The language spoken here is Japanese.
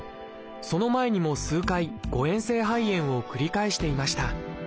その前にも数回誤えん性肺炎を繰り返していました。